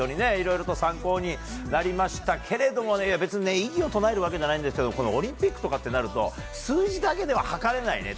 いろいろ参考になりましたけど別に異議を唱えるわけじゃないんですけどオリンピックとかってなると数字だけじゃ測れない